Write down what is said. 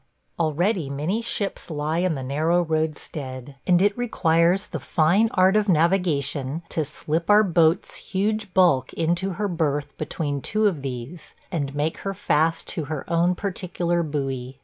Already many ships lie in the narrow roadstead, and it requires the fine art of navigation to slip our boat's huge bulk into her berth between two of these and make her fast to her own particular buoy.